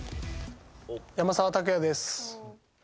山沢拓也です。